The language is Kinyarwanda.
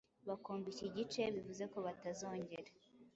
bakumva iki gice bivuze ko batazongera